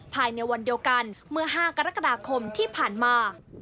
ภายในวันเดียวกันเมื่อ๕กรกฎาคมที่ผ่านมา